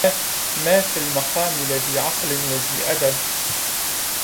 ما في المقام لذي عقل وذي أدب